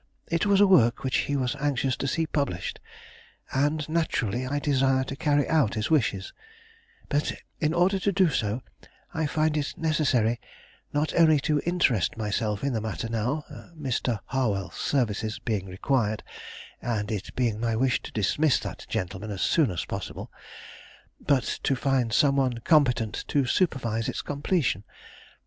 It was a work which he was anxious to see published, and naturally I desire to carry out his wishes; but, in order to do so, I find it necessary not only to interest myself in the matter now, Mr. Harwell's services being required, and it being my wish to dismiss that gentleman as soon as possible but to find some one competent to supervise its completion.